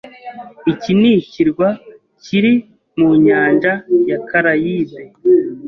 Iki ni ikirwa kiri mu nyanja ya Karayibe.